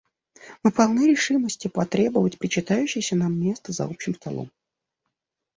Мы полны решимости потребовать причитающееся нам место за общим столом.